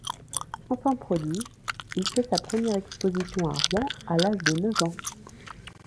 Enfant prodige, il fait sa première exposition à Rouen à l'âge de neuf ans.